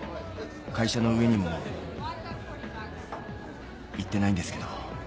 会社の上にも言ってないんですけど。